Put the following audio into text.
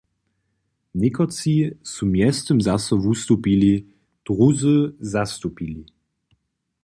Někotři su mjeztym zaso wustupili, druzy zastupili.